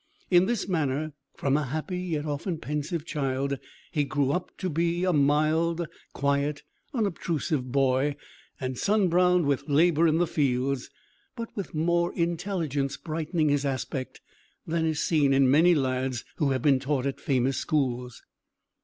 In this manner, from a happy yet often pensive child, he grew up to be a mild, quiet, unobtrusive boy, and sun browned with labour in the fields, but with more intelligence brightening his aspect than is seen in many lads who have been taught at famous schools.